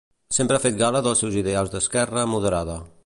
Sempre ha fet gala dels seus ideals d'esquerra moderada.